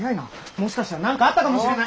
もしかしたら何かあったかもしれない。